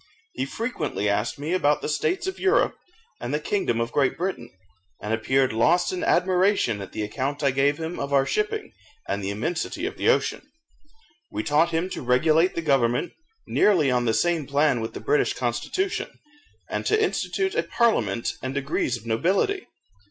He frequently asked me about the states of Europe, and the kingdom of Great Britain, and appeared lost in admiration at the account I gave him of our shipping, and the immensity of the ocean. We taught him to regulate the government nearly on the same plan with the British constitution, and to institute a parliament and degrees of nobility.